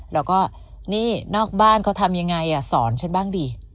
แล้วก็นี่นอกบ้านเขาทำยังไงสอนฉันบ้างดิ